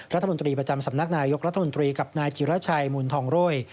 รัฐมนตรีประจำสำนักนายกรัฐมนตรีกับนายจิรชัยมูลทองโร่ย